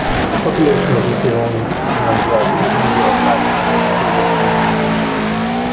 The population of Miquelon-Langlade is mainly of Basque and Acadian ancestry.